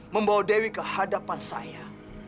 membawa dewi ke hadapan saya